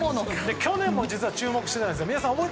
去年も実は注目していたんですよ。